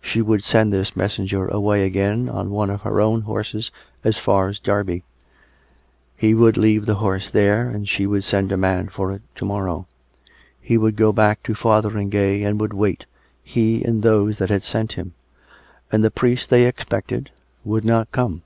She would send this messenger away again on one of her own horses as far as Derby; he could leave the horse there, and she would send a man for it to morrow. He would go back to Fotheringay and would wait, he and those that had sent him. And the priest they expected would not come.